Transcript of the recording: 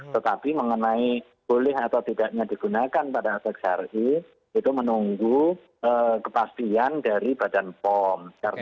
tetapi mengenai boleh atau tidaknya digunakan pada aspek syari itu menunggu kepastian dari badan pom